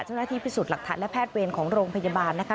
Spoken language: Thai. เจ้าหน้าที่พิสูจน์หลักฐานและแพทย์เวรของโรงพยาบาลนะคะ